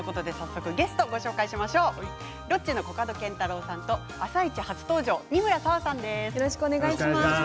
ゲストをご紹介しましょうロッチのコカドケンタロウさんと「あさイチ」初登場仁村紗和さんです。